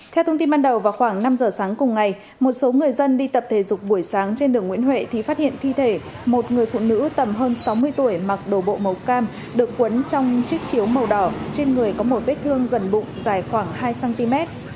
theo thông tin ban đầu vào khoảng năm giờ sáng cùng ngày một số người dân đi tập thể dục buổi sáng trên đường nguyễn huệ thì phát hiện thi thể một người phụ nữ tầm hơn sáu mươi tuổi mặc đồ bộ màu cam được quấn trong chiếc chiếu màu đỏ trên người có một vết thương gần bụng dài khoảng hai cm